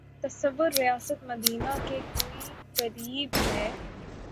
تصور ریاست مدینہ کے کوئی قریب ہے۔